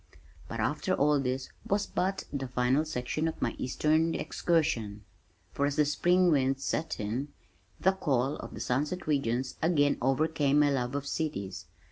But after all this was but the final section of my eastern excursion for as the spring winds set in, the call of "the sunset regions" again overcame my love of cities.